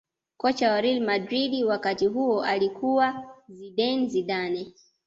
kocha wa real madrid wakati huo alikuwa zinedine zidane